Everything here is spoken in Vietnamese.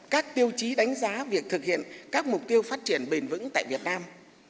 các tiêu chí đánh giá việc thực hiện các mục tiêu phát triển bền vững tại việt nam